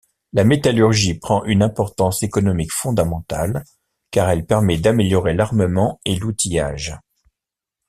La métallurgie prend une importance économique fondamentale car elle permet d'améliorer l'armement et l'outillage.